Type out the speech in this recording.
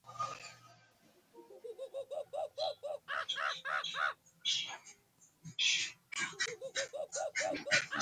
Fue amigo de Joseph Dalton Hooker, ayudándolo en el primer volumen de "Flora Indica".